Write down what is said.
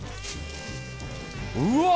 うわ！